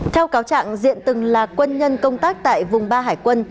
theo cáo trạng diện từng là quân nhân công tác tại vùng ba hải quân